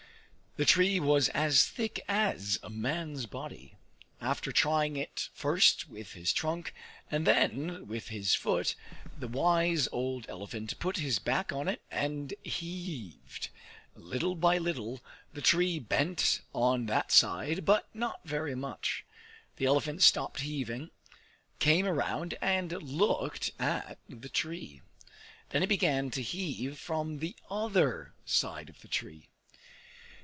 This tree was as thick as a man's body. After trying it first with his trunk and then with his foot, the wise old elephant put his back on it and heaved. Little by little the tree bent on that side, but not very much. The elephant stopped heaving, came around and looked at the tree. Then he began to heave from the other side of the tree.